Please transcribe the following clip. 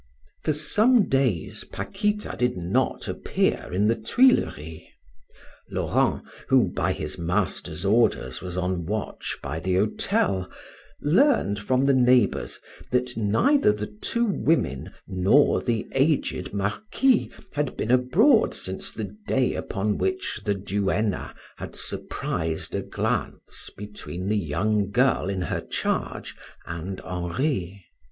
For some days Paquita did not appear in the Tuileries. Laurent, who by his master's orders was on watch by the hotel, learned from the neighbors that neither the two women nor the aged marquis had been abroad since the day upon which the duenna had surprised a glance between the young girl in her charge and Henri.